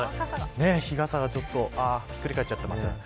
日傘がひっくり返っちゃいましたね。